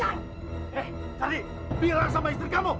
eh tadi bilang sama istri kamu